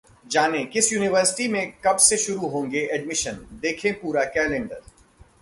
जानें- किस यूनिवर्सिटी में कब से शुरू होंगे एडमिशन, देखें पूरा कैलेंडर